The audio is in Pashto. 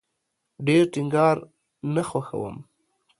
ډیر ټینګار نه خوښوم